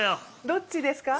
どっちですか？